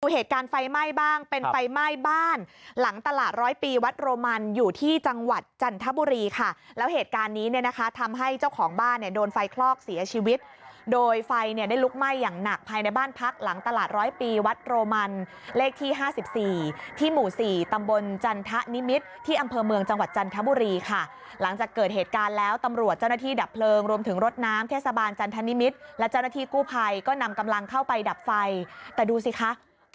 ดูเหตุการณ์ไฟไหม้บ้างเป็นไฟไหม้บ้านหลังตลาดร้อยปีวัดโรมันอยู่ที่จังหวัดจันทบุรีค่ะแล้วเหตุการณ์นี้เนี่ยนะคะทำให้เจ้าของบ้านเนี่ยโดนไฟคลอกเสียชีวิตโดยไฟเนี่ยได้ลุกไหม้อย่างหนักภายในบ้านพักหลังตลาดร้อยปีวัดโรมันเลขที่ห้าสิบสี่ที่หมู่สี่ตำบลจันทะนิมิตรที่อำเภอเมือง